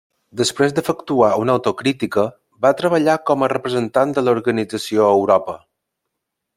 Després d'efectuar una autocrítica, va treballar com a representant de l'organització a Europa.